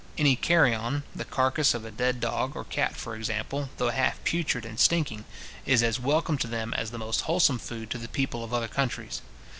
Any carrion, the carcase of a dead dog or cat, for example, though half putrid and stinking, is as welcome to them as the most wholesome food to the people of other countries.